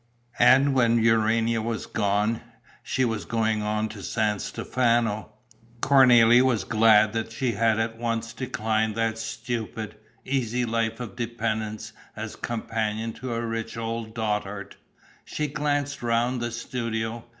And, when Urania was gone she was going on to San Stefano Cornélie was glad that she had at once declined that stupid, easy life of dependence as companion to a rich old dotard. She glanced round the studio.